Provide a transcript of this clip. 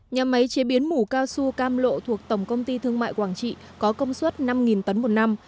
nhà máy chế biến mủ cao su cam lộ thuộc tổng công ty thương mại quảng trị có công suất năm tấn một năm